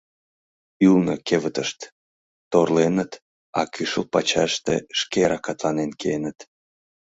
Ӱлнӧ — кевытышт, торленыт, а кӱшыл пачашыште шке ракатланен киеныт».